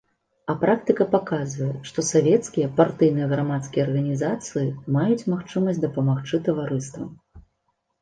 А практыка паказвае, што савецкія, партыйныя, грамадскія арганізацыі маюць магчымасць дапамагчы таварыствам.